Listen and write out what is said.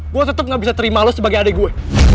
gue tetap gak bisa terima lo sebagai adik gue